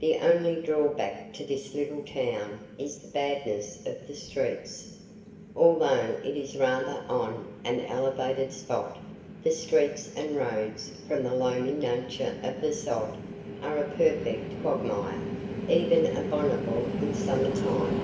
The only draw back to this little town is the badness of the streets. Although it is rather on an elevated spot, the streets and roads, from the loamy nature of the sod, are a perfect quagmire, even abominable in summer time.